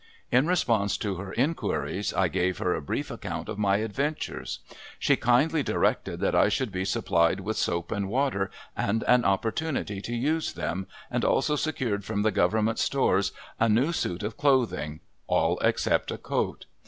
In response to her inquiries, I gave her a brief account of my adventures. She kindly directed that I should be supplied with soap and water and an opportunity to use them and also secured from the Government stores a new suit of clothing all except a coat.